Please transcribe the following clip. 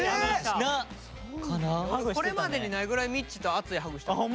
これまでにないぐらいみっちーと熱いハグしたもん。